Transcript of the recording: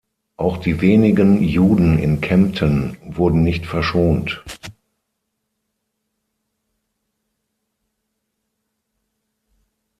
Auch die wenigen Juden in Kempten wurden nicht verschont.